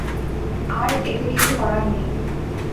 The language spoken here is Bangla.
আর এতে কিছু করার নেই।